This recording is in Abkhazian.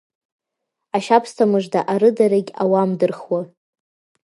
Ашьабсҭа мыжда арыдарагь ауамдырхуа.